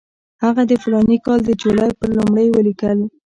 هغه د فلاني کال د جولای پر لومړۍ ولیکل.